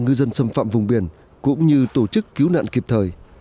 ngư dân xâm phạm vùng biển cũng như tổ chức cứu nạn kịp thời